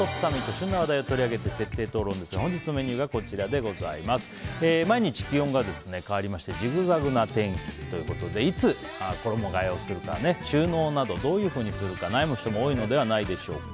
旬な話題を取り上げて徹底討論しますが本日のメニューは気温が高かったり低かったりジグザグな天気ということでいつ衣替えするか収納など、どういうふうにするか悩む人も多いのではないでしょうか。